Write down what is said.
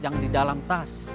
yang di dalam tas